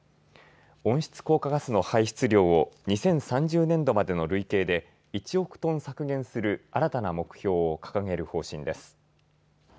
温室効果ガスの排出量を２０３０年度までの累計で１億トン削減する新たな目標を掲げる方針です。